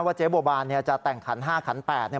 ว่าเจ๊บัวบานเนี้ยจะแต่งขันห้าขันแปดเนี้ย